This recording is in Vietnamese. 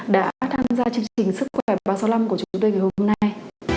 đã tham gia chương trình sức khỏe ba trăm sáu mươi năm của chúng tôi ngày hôm nay